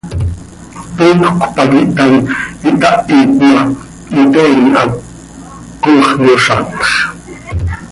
Tootjöc pac ihtaai, ihtahit ma, hiteen án hac coox yozatx.